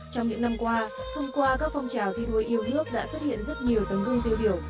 trong những năm qua thông qua các phong trào thi đuôi yêu thước đã xuất hiện rất nhiều tầng gương tiêu biểu